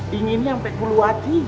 dinginnya sampai puluh hati